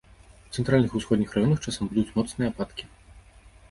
У цэнтральных і ўсходніх раёнах часам будуць моцныя ападкі.